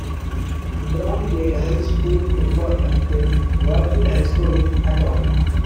Brown played high school football at Garfield High School in Akron.